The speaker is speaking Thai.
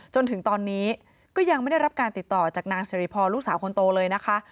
จนถึงตอนนี้ก็ยังไม่ได้รับการติดต่อจากนางสิริพรลูกสาวคนโตเลยนะคะ